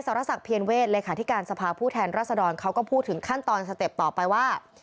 พระศักดิ์เพียรเวศหลายค่าที่การสภาพูดแทนรัศดรเขาก็พูดถึงขั้นตอนสเต็ปต่อไปว่า